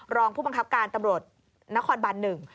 รองผู้บังคับการตำรวจนครบันหนึ่ง